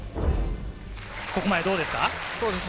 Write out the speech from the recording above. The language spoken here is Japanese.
ここまでどうですか？